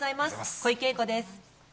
小池栄子です。